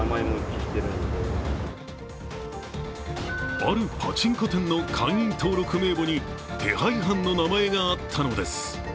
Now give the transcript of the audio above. あるパチンコ店の会員登録名簿に手配犯の名前があったのです。